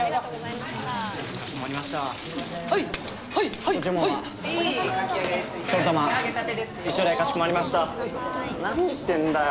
何してんだよ。